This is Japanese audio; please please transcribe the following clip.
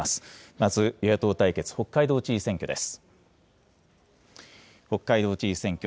まず、与野党対決、北海道知事選挙です。